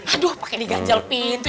aduh pakai diganjal pintu